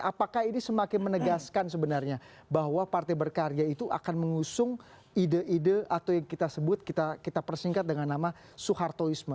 apakah ini semakin menegaskan sebenarnya bahwa partai berkarya itu akan mengusung ide ide atau yang kita sebut kita persingkat dengan nama soehartoisme